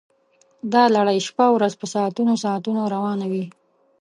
دا لړۍ شپه ورځ په ساعتونو ساعتونو روانه وي